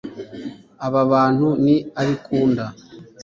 Aba bantu ni abikunda